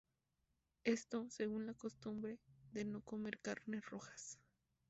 Esto, según la costumbre, de no comer carnes rojas.